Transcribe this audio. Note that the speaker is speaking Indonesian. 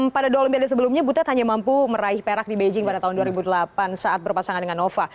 pada dua olimpiade sebelumnya butet hanya mampu meraih perak di beijing pada tahun dua ribu delapan saat berpasangan dengan nova